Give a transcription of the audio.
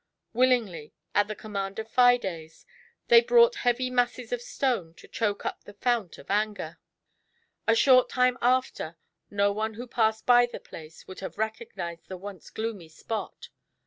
Willingly, at the command of Fides, they brought heavy masses of stone to choke up the fount of Anger. A short time after, no one who passed by the place would have recognized the once gloomy spot.